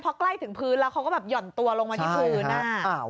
พอใกล้ถึงพื้นแล้วเขาก็แบบห่อนตัวลงมาที่พื้น